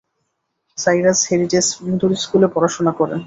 Cyrus Heritage Middle স্কুলে পড়াশোনা করেন।